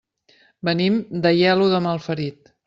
Venim d'Aielo de Malferit.